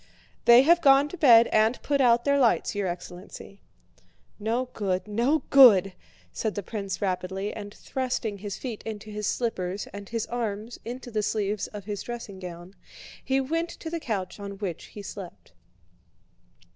"They have gone to bed and put out their lights, your excellency." "No good... no good..." said the prince rapidly, and thrusting his feet into his slippers and his arms into the sleeves of his dressing gown, he went to the couch on which he slept.